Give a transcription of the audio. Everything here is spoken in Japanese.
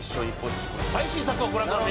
最新作をご覧ください。